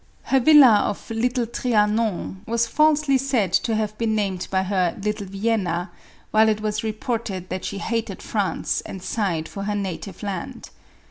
Her villa of Little Trianon was falsely sai^ to have been named by her Little Vienna, while it was reported that she hated France and sighed for her na tive land.